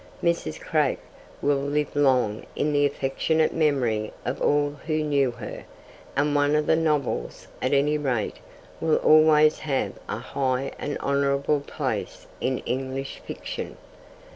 Mrs. Craik will live long in the affectionate memory of all who knew her, and one of her novels, at any rate, will always have a high and honourable place in English fiction.